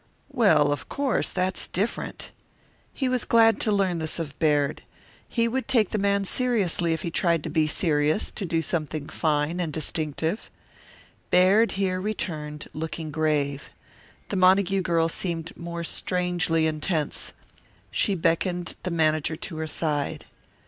"Well, of course, that's different." He was glad to learn this of Baird. He would take the man seriously if he tried to be serious, to do something fine and distinctive. Baird here returned, looking grave. The Montague girl seemed more strangely intense. She beckoned the manager to her side.